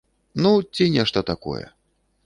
Ну, ці нешта такое.